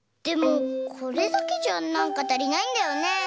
でもこれだけじゃなんかたりないんだよね。